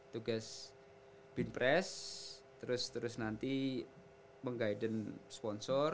tugas binpress terus nanti pengkaiden sponsor